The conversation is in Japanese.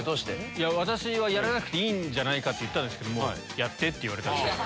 いや私は「やらなくていいんじゃないか」って言ったんですけども「やって」って言われたので。